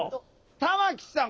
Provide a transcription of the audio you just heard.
玉木さん